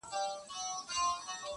وزرماتي زاڼي ګرځي آشیانه له کومه راوړو؛